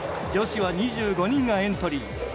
女子は２５人がエントリー。